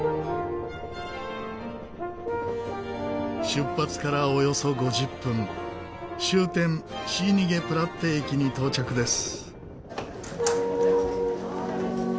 出発からおよそ５０分終点シーニゲプラッテ駅に到着です。